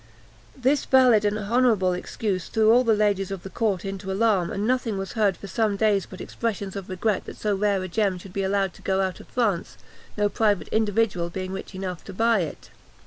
This valid and honourable excuse threw all the ladies of the court into alarm, and nothing was heard for some days but expressions of regret that so rare a gem should be allowed to go out of France, no private individual being rich enough to buy it.